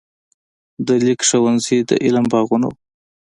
د لیک ښوونځي د علم باغونه وو.